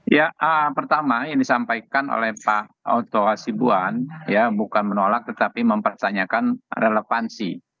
ya pertama yang disampaikan oleh pak otto hasibuan ya bukan menolak tetapi mempertanyakan relevansi